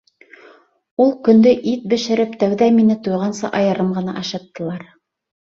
— Ул көндө ит бешереп, тәүҙә мине туйғансы айырым ғына ашаттылар.